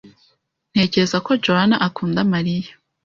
Ntekereza ko Juan akunda María.